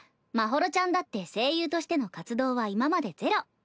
まほろちゃんだって声優としての活動は今までゼロ。